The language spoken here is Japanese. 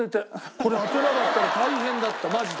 これ当てなかったら大変だったマジで。